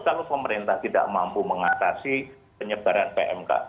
kalau pemerintah tidak mampu mengatasi penyebaran pmk